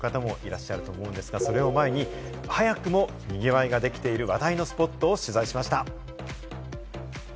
明日から本格的な連休という方もいらっしゃると思うんですが、それを前に早くもにぎわいができている、話題のスポットを取材しました。